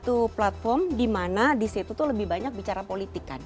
itu kan satu platform di mana disitu tuh lebih banyak bicara politik kan